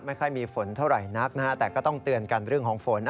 ไม่ค่อยมีฝนเท่าไหร่นักแต่ก็ต้องเตือนกันเรื่องของฝน